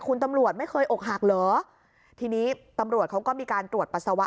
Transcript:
คุณตำรวจไม่เคยอกหักเหรอทีนี้ตำรวจเขาก็มีการตรวจปัสสาวะ